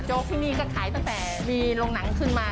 ที่นี่ก็ขายตั้งแต่มีโรงหนังขึ้นมา